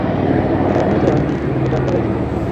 এজন্যই তো আমি এটা করেছি।